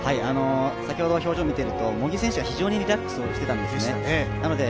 先ほど表情を見ていると、茂木選手が非常にリラックスしていたんですね。